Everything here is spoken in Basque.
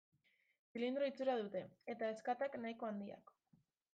Zilindro itxura dute, eta ezkatak nahiko handiak.